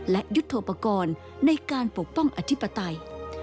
และยุทธโปรกรณ์ในการปกป้องอธิปไตย